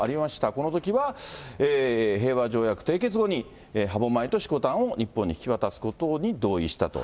このときは、平和条約締結後に歯舞と色丹を日本に引き渡すことに同意したと。